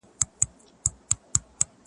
عاقل نه سوې چي مي څومره خوارۍ وکړې.